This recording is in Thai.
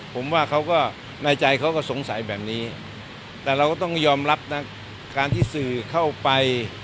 ผมว่าเขาก็ในใจเขาก็สงสัยแบบนี้แต่เราก็ต้องยอมรับนะการที่สื่อเข้าไป